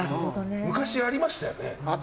昔ありましたよね。